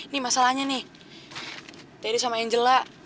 nih masalahnya nih daddy sama angel lah